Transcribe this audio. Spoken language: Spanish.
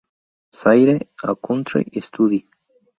Zaire: A Country Study